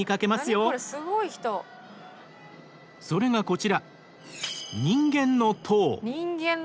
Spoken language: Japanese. それがこちら「人間の塔」。